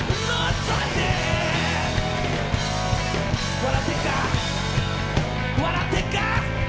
笑ってっか、笑ってっか。